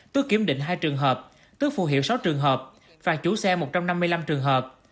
tước kiểm định hai trường hợp tước phù hiệu sáu trường hợp phạt chủ xe một trăm năm mươi năm trường hợp